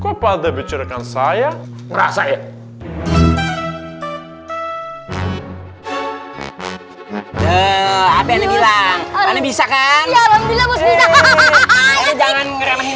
kepada bicarakan saya ngerasain